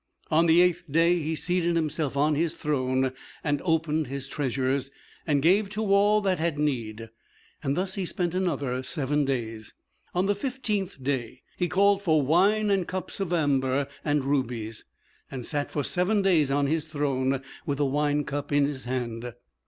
On the eighth day he seated himself on his throne, and opened his treasures, and gave to all that had need. Thus he spent another seven days. On the fifteenth day, he called for wine and cups of amber and rubies, and sat for seven days on his throne, with the wine cup in his hand.